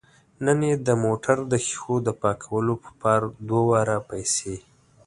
نن یې د موټر د ښیښو د پاکولو په پار دوه واره پیسې